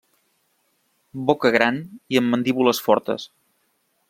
Boca gran i amb mandíbules fortes.